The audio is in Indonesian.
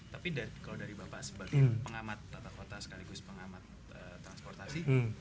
tapi kalau dari bapak sebagai pengamat tata kota sekaligus pengamat transportasi